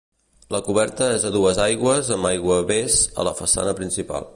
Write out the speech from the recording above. La coberta és a dues aigües amb aiguavés a la façana principal.